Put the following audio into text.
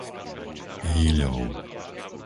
Hýľov